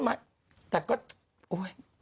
แต่ก็โอ๊ย